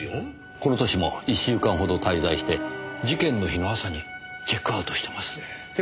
この年も１週間ほど滞在して事件の日の朝にチェックアウトしてますねぇ。